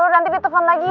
nanti ditepan lagi